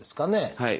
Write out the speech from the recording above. はい。